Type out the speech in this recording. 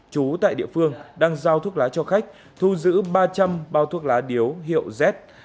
chú tại địa phương đang giao thuốc lá cho khách thu giữ ba trăm linh bao thuốc lá điếu hiệu z